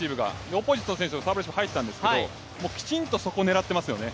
オポジットの選手のサーブレシーブ入っていたんですけどきちんとそこを狙ってますよね。